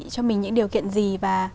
cho mình những điều kiện gì và